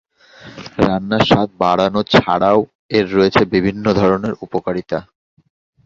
রান্নার স্বাদ বাড়ানো ছাড়া ও এর রয়েছে বিভিন্ন ধরনের উপকারিতা।